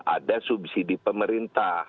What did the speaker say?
ada subsidi pemerintah